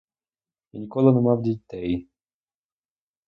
Я ніколи не мав дітей.